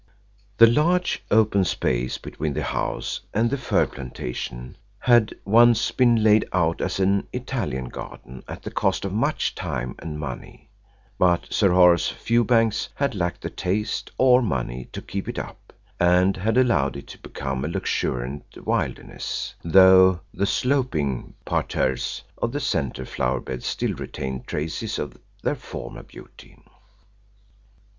The large open space between the house and the fir plantation had once been laid out as an Italian garden at the cost of much time and money, but Sir Horace Fewbanks had lacked the taste or money to keep it up, and had allowed it to become a luxuriant wilderness, though the sloping parterres and the centre flowerbeds still retained traces of their former beauty.